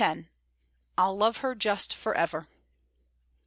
X "I'LL LOVE HER JUST FOREVER!"